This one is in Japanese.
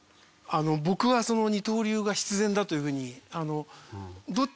僕はその二刀流が必然だというふうに。